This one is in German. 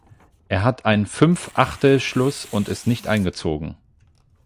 Er hat einen Fünfachtelschluss und ist nicht eingezogen.